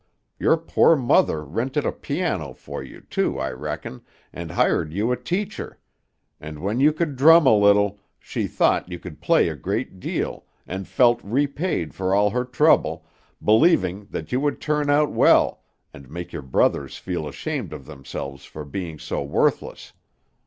Your poor mother rented a pianow for you, too, I reckon, and hired you a teacher; and when you could drum a little, she thought you could play a great deal, and felt repaid for all her trouble, believing that you would turn out well, and make your brothers feel ashamed of themselves for being so worthless.